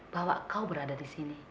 bahwa kau berada di sini